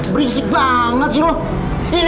berisik banget sih lo